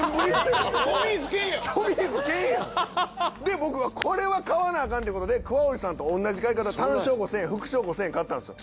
僕はこれは買わなあかんってことで桑折さんと同じ買い方単勝５，０００円複勝５，０００円買ったんすよ。